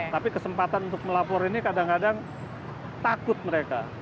tapi kesempatan untuk melapor ini kadang kadang takut mereka